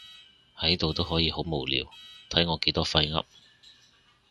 喺度都可以好無聊，睇我幾多廢噏